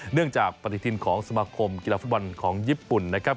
จากปฏิทินของสมาคมกีฬาฟุตบอลของญี่ปุ่นนะครับ